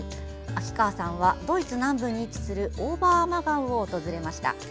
秋川さんはドイツ南部に位置するオーバーアマガウを訪れました。